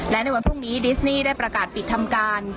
และในวันพรุ่งนี้ดิสนี่ได้ประกาศปิดทำการ